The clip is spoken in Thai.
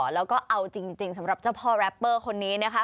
แล้วก็เอาจริงสำหรับเจ้าพ่อแรปเปอร์คนนี้นะคะ